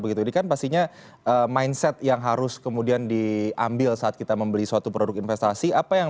jadi kan pastinya mindset yang harus kemudian diambil saat kita membeli suatu produk investasi